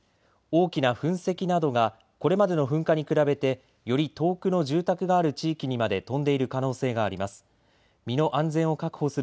大きな噴石などがこれまでの噴火に比べてより遠くの住宅がある地域にまで飛んでいる可能性があります。